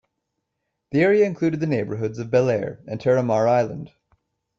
The area included the neighborhoods of Bel Air and Terra Mar Island.